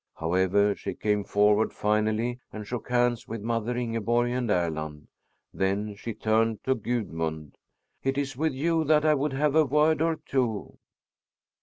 However, she came forward finally and shook hands with mother Ingeborg and Erland. Then she turned to Gudmund: "It is with you that I would have a word or two."